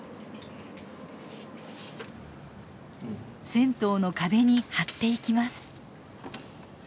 銭湯の壁に貼っていきます。